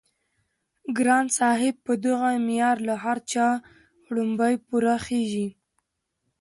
ګران صاحب په دغه معيار له هر چا وړومبی پوره خيژي